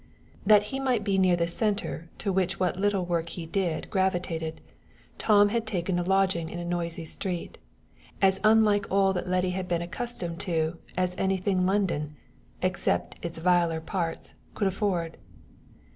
That he might be near the center to which what little work he did gravitated, Tom had taken a lodging in a noisy street, as unlike all that Letty had been accustomed to as anything London, except in its viler parts, could afford.